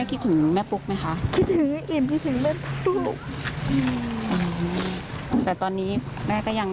เราเรียกได้มากับเราเอง